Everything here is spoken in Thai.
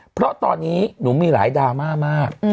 เพราะตอนนี้หนูมีหลายดราม่ามาก